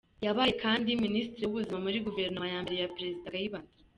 Yabaye kandi Minisitiri w’ubuzima muri guverinoma ya mbere ya perezida Kayibanda.